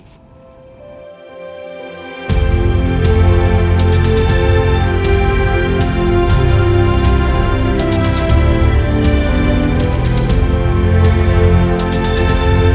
คุณค่าของคนคนนี้